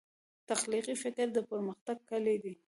تخلیقي فکر د پرمختګ کلي دی.